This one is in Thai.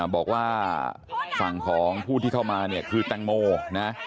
บอกว่าฝั่งของผู้ที่เข้ามาเนี่ยคือแตงโมนะ